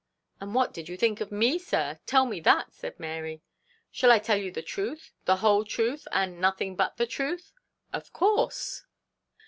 'And what did you think of me, sir? Tell me that,' said Mary. 'Shall I tell you the truth, the whole truth, and nothing but the truth?' 'Of course.'